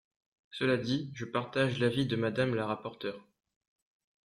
Cela dit, je partage l’avis de Madame la rapporteure.